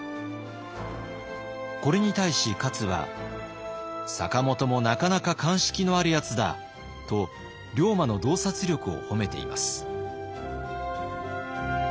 これに対し勝は「坂本もなかなか鑑識のある奴だ」と龍馬の洞察力を褒めています。